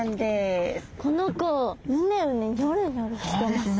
この子うねうねニョロニョロしてますね。